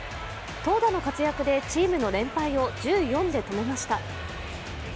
投打の活躍でチームの連敗を１４で止めました。